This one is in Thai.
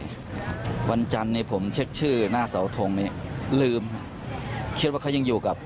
นะครับวันจันทร์เนี่ยผมเช็คชื่อหน้าเสาทงเนี้ยลืมฮะคิดว่าเขายังอยู่กับ